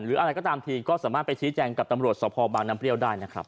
อะไรก็ตามทีก็สามารถไปชี้แจงกับตำรวจสภบางน้ำเปรี้ยวได้นะครับ